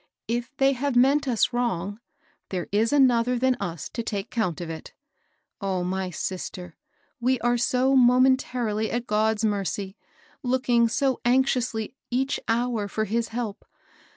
" If they have meant us wrong, there is another than us to take count of it. O my sister 1 we are so momentarily at God's mercy, looking so anxiously each hour for his help